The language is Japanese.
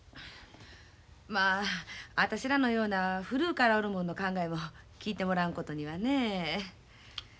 まあ私らのような古うからおるもんの考えも聞いてもらわんことにはねえ。